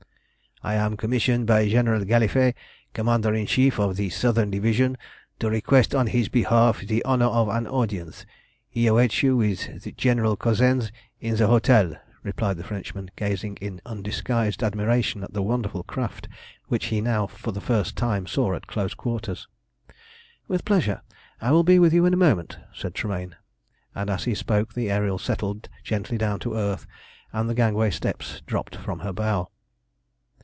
"I am commissioned by General Gallifet, Commander in Chief of the Southern Division, to request on his behalf the honour of an audience. He awaits you with General Cosensz in the hotel," replied the Frenchman, gazing in undisguised admiration at the wonderful craft which he now for the first time saw at close quarters. "With pleasure. I will be with you in a moment," said Tremayne, and as he spoke the Ariel settled gently down to the earth, and the gangway steps dropped from her bow.